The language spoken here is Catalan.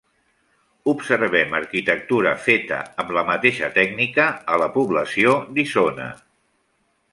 Observem arquitectura feta amb la mateixa tècnica a la població d'Isona.